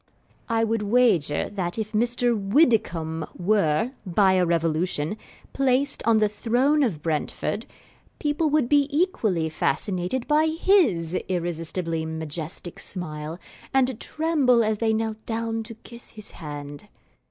I would wager that if Mr. Widdicomb were, by a revolution, placed on the throne of Brentford, people would be equally fascinated by his irresistibly majestic smile and tremble as they knelt down to kiss his hand.